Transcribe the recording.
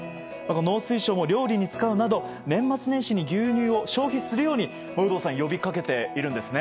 農水省も料理に使うなど年末年始に牛乳を消費するように呼び掛けているんですね。